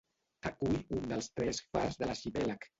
Acull un dels tres fars de l'arxipèlag.